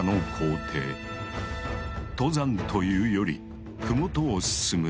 登山というより麓を進む。